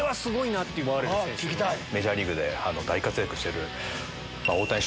メジャーリーグで大活躍してる。